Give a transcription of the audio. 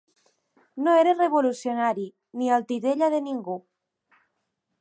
No era revolucionari ni el titella de ningú.